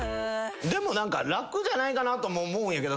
でも何か楽じゃないかなとも思うんやけど。